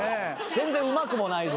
全然うまくもないし。